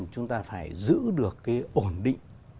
chúng ta phải giữ được cái ổn định